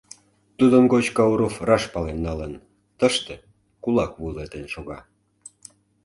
Тудын гоч Кауров раш пален налын: тыште кулак вуйлатен шога.